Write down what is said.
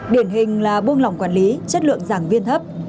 điển hình là buông lỏng quản lý chất lượng giảng viên thấp